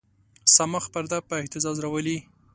صماخ پرده په اهتزاز راولي.